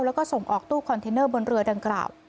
แล้วก็ส่งออกตู้คอนเทนเนอร์บนเรือดังกล่าว